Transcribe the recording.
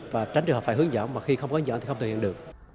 và tránh được họ phải hướng dẫn mà khi không có hướng dẫn thì không thể hiện được